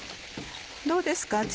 どうですか？